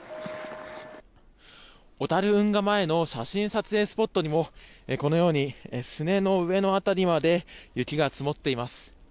小樽運河前の写真撮影スポットにもすねの上の辺りまで雪が積もっています。